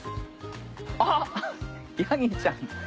あっヤギちゃん。